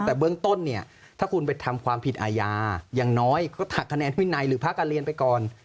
แต่เบื้องต้นเนี่ยถ้าคุณไปทำความผิดอาญาอย่างน้อยก็ถักคะแนนวินัยหรือพักการเรียนไปก่อน